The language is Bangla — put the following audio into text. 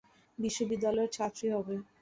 বিশ্ববিদ্যালয়ের ছাত্রী হবে।